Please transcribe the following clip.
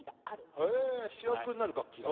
へえ主役になる楽器がある。